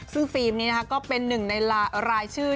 ซื้อฟีลมนี้นะฮะก็เป็นหนึ่งในรายชื่อ